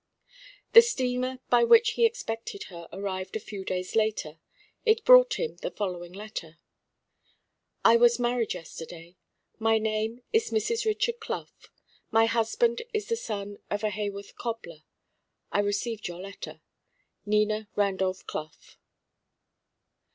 The steamer by which he expected her arrived a few days later. It brought him the following letter: I was married yesterday. My name is Mrs. Richard Clough. My husband is the son of a Haworth cobbler. I received your letter. NINA RANDOLPH CLOUGH.